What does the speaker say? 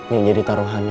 yang jadi taruhannya